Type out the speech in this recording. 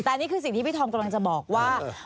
แต่นี่คือสิ่งที่พี่ธอมกำลังจะบอกว่า